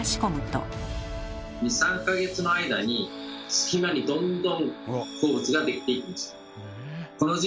２３か月の間に隙間にどんどん鉱物ができていきます。